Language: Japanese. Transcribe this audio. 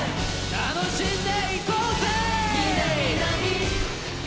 楽しんでいこうぜ！